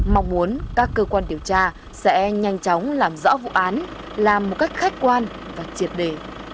mong muốn các cơ quan điều tra sẽ nhanh chóng làm rõ vụ án làm một cách khách quan và triệt đề